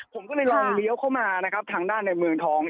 ผมก็เลยลองเลี้ยวเข้ามานะครับทางด้านในเมืองทอง